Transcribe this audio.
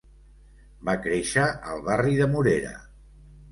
Va créixer al barri de Morera.